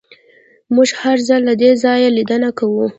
موږ هر ځل له دې ځایه لیدنه کوو